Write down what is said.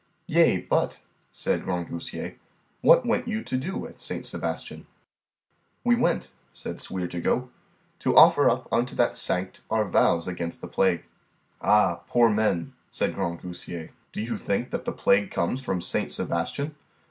Yea, but, said Grangousier, what went you to do at Saint Sebastian? We went, said Sweer to go, to offer up unto that sanct our vows against the plague. Ah, poor men! said Grangousier, do you think that the plague comes from Saint Sebastian?